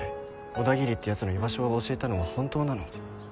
小田切ってやつの居場所を教えたのは本当なの？